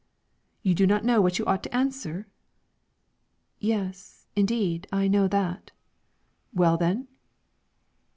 "You do not know what you ought to answer?" "Yes, indeed, I know that." "Well, then?"